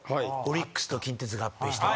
オリックスと近鉄合併した。